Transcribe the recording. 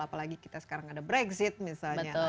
apalagi kita sekarang ada brexit misalnya